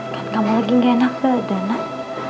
kan kamu lagi gak enak ya udah nak